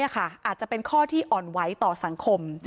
อาจจะเป็นข้อที่อ่อนไหวต่อสังคม